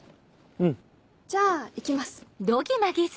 うん。じゃあ行きます。